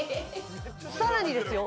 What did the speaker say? さらにですよ